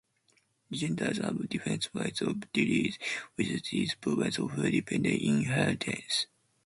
Languages have different ways of dealing with these problems of repeated inheritance.